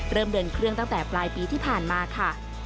เริ่มเดินเครื่องตั้งแต่ปลายปีที่ผ่านมาค่ะ